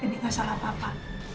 ini gak salah papa